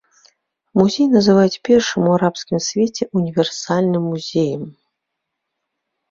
Музей называюць першым у арабскім свеце універсальным музеем.